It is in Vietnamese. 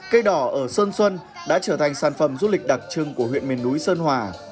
cây đỏ ở sơn xuân đã trở thành sản phẩm du lịch đặc trưng của huyện miền núi sơn hòa